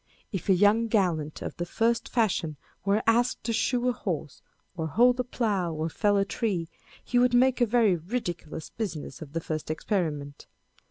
If a young gallant of the first fashion were asked to shoe a horse, or hold a plough, or fell a tree, he would make a very ridiculous business of the first experiment.